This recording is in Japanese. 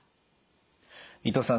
伊藤さん